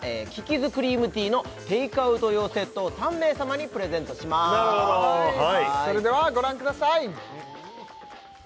’ｓクリームティーのテイクアウト用セットを３名様にプレゼントしますなるほどはいそれではご覧ください